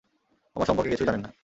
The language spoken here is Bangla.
আমার সম্পর্কে কিছুই জানেন না।